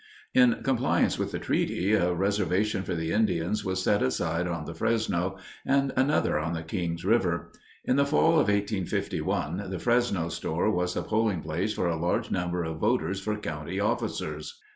In compliance with the treaty, a reservation for the Indians was set aside on the Fresno, and another on the Kings River. In the fall of 1851 the Fresno store was the polling place for a large number of voters for county officers.